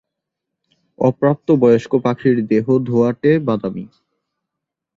অপ্রাপ্তবয়স্ক পাখির দেহ ধোঁয়াটে-বাদামি।